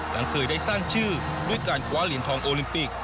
หลังเคยได้สร้างชื่อด้วยการคว้าเหรียญทองโอลิมปิก